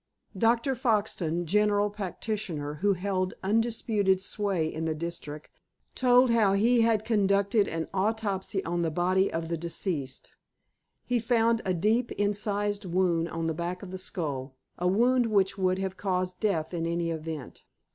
Dr. Foxton, general practitioner, who held undisputed sway in the district, told how he had conducted an autopsy on the body of the deceased. He found a deep, incised wound on the back of the skull, a wound which would have caused death in any event.